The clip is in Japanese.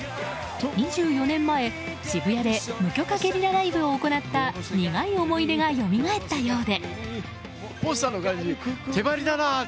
２４年前、渋谷で無許可ゲリラライブを行った苦い思い出がよみがえったようで。